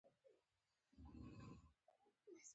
افغانستان کې د دریابونه په اړه زده کړه کېږي.